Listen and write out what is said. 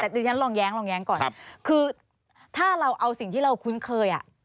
แต่เดี๋ยวฉันลองแย้งก่อนคือถ้าเราเอาสิ่งที่เราคุ้นเคย